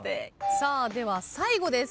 さあでは最後です。